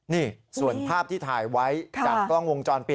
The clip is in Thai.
นี่ส่วนภาพที่ถ่ายไว้จากกล้องวงจรปิด